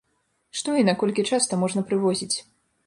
Што і наколькі часта можна прывозіць?